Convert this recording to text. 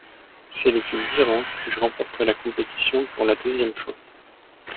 C'est l'équipe d'Iran qui remporte la compétition pour la deuxième fois.